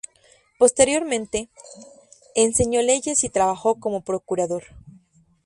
Posteriormente, enseñó leyes y trabajó como procurador.